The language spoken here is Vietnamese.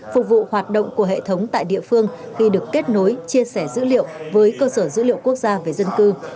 phục vụ hoạt động của hệ thống tại địa phương khi được kết nối chia sẻ dữ liệu với cơ sở dữ liệu quốc gia về dân cư